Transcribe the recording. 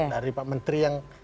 dari pak menteri yang